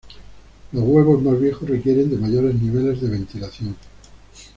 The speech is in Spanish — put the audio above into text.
Los huevos más viejos requieren de mayores niveles de ventilación.